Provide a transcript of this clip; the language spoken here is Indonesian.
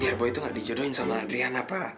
biar boy itu gak dijodohin sama adriana pak